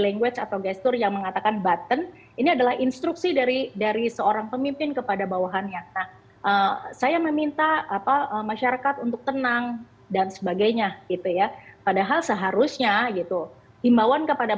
terbaik dan juga ber alterul yang memudahkan negara untuk menressfillnya ya herbis misalnya biasanya they say it all about the dvd ngomong unfaithfulnessbreak dona anggota polri